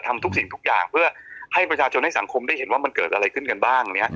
ทำทุกสิ่งทุกอย่างเพื่อให้ประชาชนให้สังคมได้เห็นว่ามันเกิดอะไรขึ้นกันบ้าง